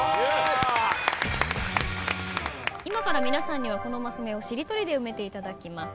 今から皆さんにはこのマス目をしり取りで埋めていただきます。